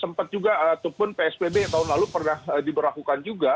sempat juga ataupun psbb yang tahun lalu pernah diberlakukan juga